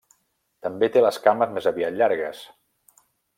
També té les cames més aviat llargues.